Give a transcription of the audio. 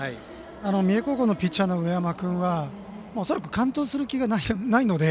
三重高校のピッチャーの上山君は恐らく完投する気がないので。